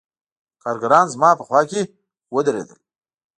کارګران زما په خوا کښې ودرېدل.